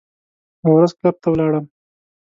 یوه ورځ کلب ته ولاړم.